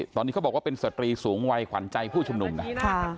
ตอนนี้เขาบอกว่าเป็นสตรีสูงวัยขวัญใจผู้ชุมนุมนะ